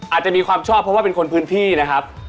อาจจะมีความชอบเพราะว่าเป็นคนพื้นที่นะครับ